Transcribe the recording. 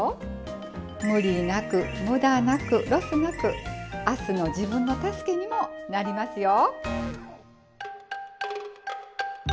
ムリなくムダなくロスなく明日の自分の助けにもなりますよ！